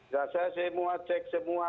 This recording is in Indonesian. saya semua cek semua